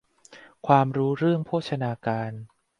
ความรู้เรื่องโภชนาการ